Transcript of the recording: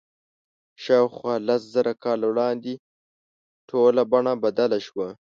شاوخوا لس زره کاله وړاندې ټوله بڼه بدله شوه.